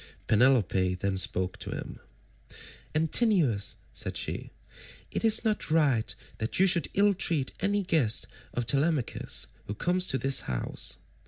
Penelope then spoke to him. "Antinous," said she, "it is not right that you should ill treat any guest of Telemachus who comes to this house.